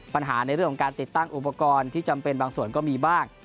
ในเรื่องของการติดตั้งอุปกรณ์ที่จำเป็นบางส่วนก็มีบ้าง